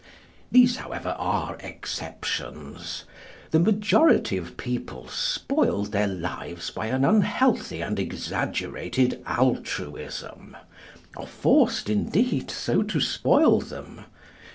These, however, are exceptions. The majority of people spoil their lives by an unhealthy and exaggerated altruism—are forced, indeed, so to spoil them.